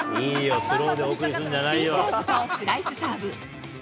スピンサーブとスライスサーブ。